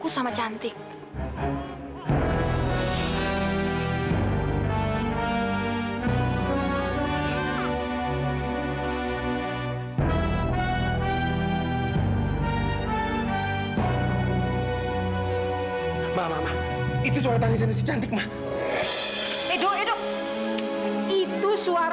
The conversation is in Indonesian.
sampai jumpa di video selanjutnya